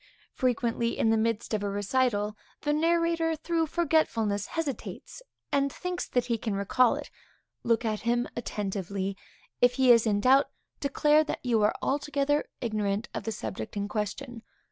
Frequently, in the midst of a recital, the narrator, through forgetfulness, hesitates, and thinks that he can recall it. Look at him attentively. If he is in doubt, declare that you are altogether ignorant of the subject in question.